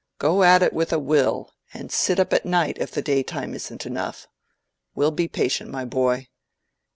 Go at it with a will, and sit up at night if the day time isn't enough. We'll be patient, my boy.